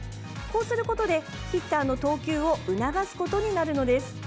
こうすることで、ヒッターの投球を促すことになるのです。